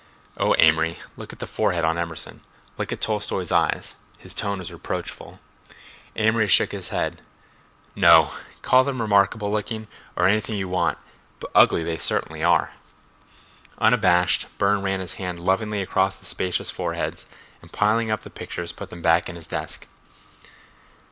"Oh, Amory, look at that forehead on Emerson; look at Tolstoi's eyes." His tone was reproachful. Amory shook his head. "No! Call them remarkable looking or anything you want—but ugly they certainly are." Unabashed, Burne ran his hand lovingly across the spacious foreheads, and piling up the pictures put them back in his desk.